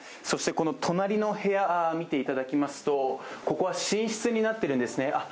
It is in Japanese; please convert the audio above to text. そしてこの隣の部屋、見ていただきますとここは寝室になっているんですね。